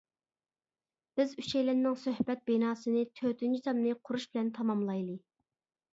بىز ئۈچەيلەننىڭ سۆھبەت بىناسىنى تۆتىنچى تامنى قۇرۇش بىلەن تاماملايلى.